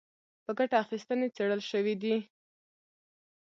په ګټه اخیستنې څېړل شوي دي